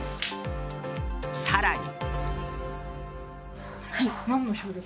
更に。